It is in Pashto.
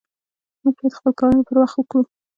مونږ بايد خپل کارونه پر وخت وکړو